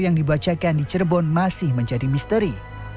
yang dibacakan di cirebon masih menjadi misteri